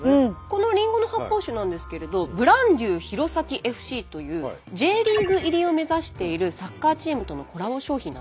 このりんごの発泡酒なんですけれどブランデュー弘前ＦＣというＪリーグ入りを目指しているサッカーチームとのコラボ商品。